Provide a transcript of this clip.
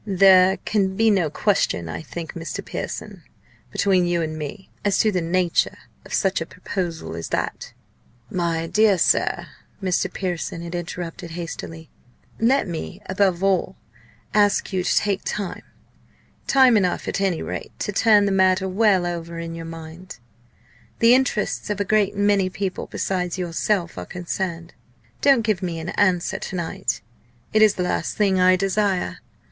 "There can be no question I think, Mr. Pearson between you and me as to the nature of such a proposal as that!" "My dear sir," Mr. Pearson had interrupted hastily, "let me, above all, ask you to take time time enough, at any rate, to turn the matter well over in your mind. The interests of a great many people, besides yourself, are concerned. Don't give me an answer to night; it is the last thing I desire.